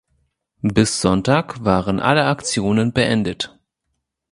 Bis Sonntag waren alle Aktionen beendet.